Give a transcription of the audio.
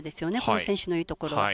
この選手のいいところは。